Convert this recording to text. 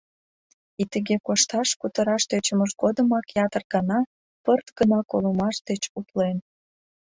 И тыге кошташ, кутыраш тӧчымыж годымак ятыр гана пырт гына колымаш деч утлен.